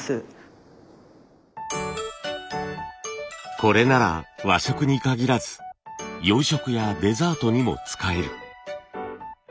これなら和食にかぎらず洋食やデザートにも使える。